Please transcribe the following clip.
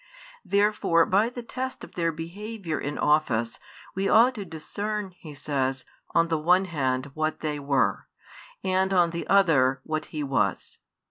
Therefore by the test |73 of their behaviour in office we ought to discern. He says, on the one hand what they were, and on the other what He was.